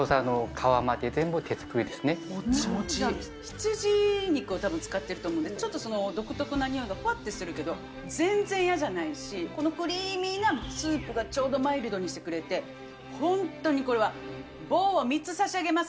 羊肉をたぶん使ってると思うんで、ちょっと独特なにおいがぱっとするけど、全然嫌じゃないし、このクリーミーなスープがちょうどマイルドにしてくれて、本当にこれは、ボーを３つ差し上げます。